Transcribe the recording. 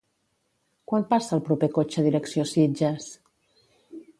Quan passa el proper cotxe direcció Sitges?